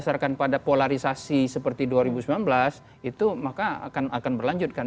jadi berdasarkan pada polarisasi seperti dua ribu sembilan belas itu maka akan berlanjut kan